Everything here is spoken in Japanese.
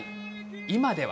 今では。